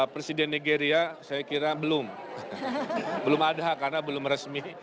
presiden nigeria saya kira belum ada karena belum resmi